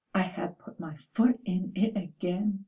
I have put my foot in it again....